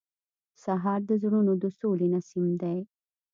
سهار د زړونو د سولې نسیم دی.